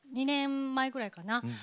２年前ぐらいかな？